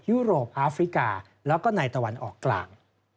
ยุโรปอาฟริกาตะวันออกกลาง